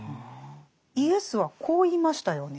イエスはこう言いましたよね。